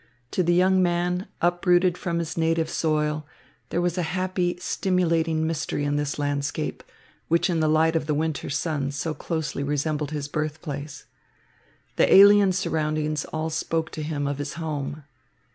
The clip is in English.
To the young man, uprooted from his native soil, there was a happy, stimulating mystery in this landscape, which in the light of the winter sun so closely resembled his birthplace. The alien surroundings all spoke to him of his home.